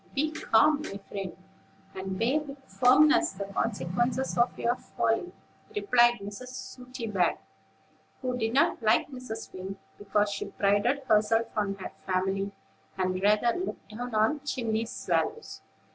"Be calm, my friend, and bear with firmness the consequences of your folly," replied Mrs. Sooty back, who didn't like Mrs. Wing, because she prided herself on her family, and rather looked down on chimney swallows.